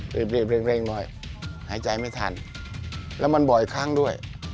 เร่งหน่อยหายใจไม่ทันแล้วมันบ่อยครั้งด้วย